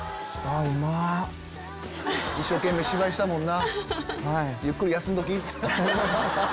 一生懸命芝居したもんなゆっくり休んどき。